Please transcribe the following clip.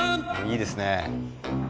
いいですね